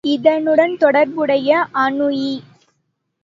இதனுடன் தொடர்புடைய அணு இ.